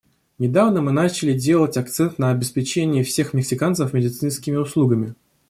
Недавно мы начали делать акцент на обеспечении всех мексиканцев медицинскими услугами.